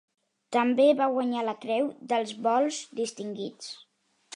També va guanyar la Creu dels Vols Distingits.